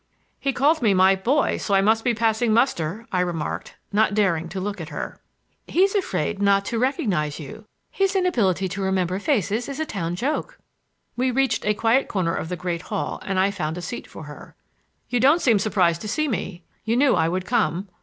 "He called me 'my boy,' so I must be passing muster," I remarked, not daring to look at her. "He's afraid not to recognize you. His inability to remember faces is a town joke." We reached a quiet corner of the great hall and I found a seat for her. "You don't seem surprised to see me,—you knew I would come.